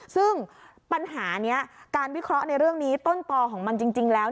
ซึ่งปัญหานี้การวิเคราะห์ในเรื่องนี้ต้นต่อของมันจริงแล้ว